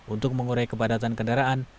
untuk mengurai kepadatan kendaraan